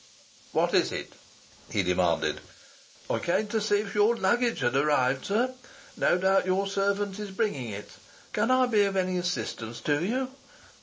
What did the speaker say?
"What is it?" he demanded. "I came to see if your luggage had arrived, sir. No doubt your servant is bringing it. Can I be of any assistance to you?"